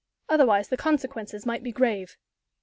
Otherwise the consequences might be grave."